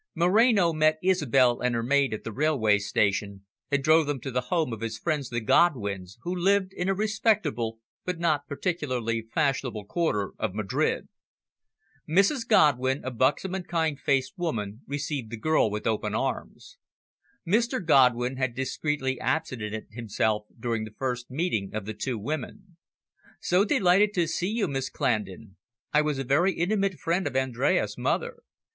Moreno met Isobel and her maid at the railway station, and drove them to the home of his friends, the Godwins, who lived in a respectable but not particularly fashionable quarter of Madrid. Mrs Godwin, a buxom and kind faced woman, received the girl with open arms. Mr Godwin had discreetly absented himself during the first meeting of the two women. "So delighted to see you, Miss Clandon. I was a very intimate friend of Andres' mother.